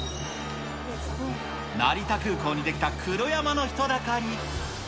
成田空港に出来た黒山の人だかり。